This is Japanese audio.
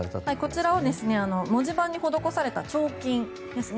こちらは文字盤に施された彫金ですね。